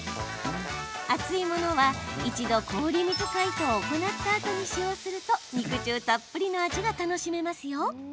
厚いものは一度氷水解凍を行ったあとに使用すると肉汁たっぷりの味が楽しめますよ。